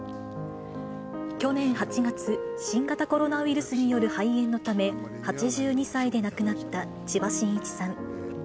去年８月、新型コロナウイルスによる肺炎のため、８２歳で亡くなった千葉真一さん。